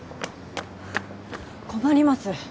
困ります。